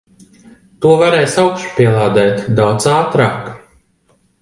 To varēs augšupielādēt daudz ātrāk.